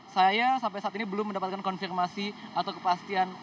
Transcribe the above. saya sampai saat ini belum mendapatkan konfirmasi atau kepastian